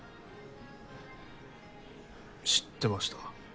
知ってました。